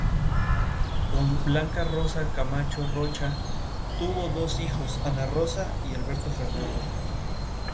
Hijo de Pedro Juan Urra Acuña y Elba Rosa Veloso.